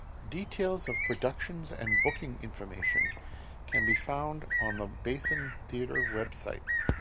Details of productions and booking information can be found on The Basin Theatre Website.